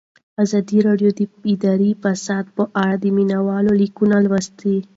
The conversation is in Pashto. ازادي راډیو د اداري فساد په اړه د مینه والو لیکونه لوستي.